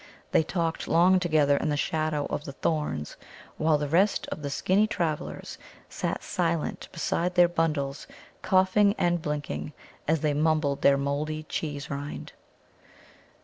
They talked long together in the shadow of the thorns, while the rest of the skinny travellers sat silent beside their bundles, coughing and blinking as they mumbled their mouldy cheese rind.